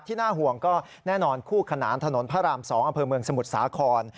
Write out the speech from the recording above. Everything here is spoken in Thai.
น่าห่วงก็แน่นอนคู่ขนานถนนพระราม๒อำเภอเมืองสมุทรสาคร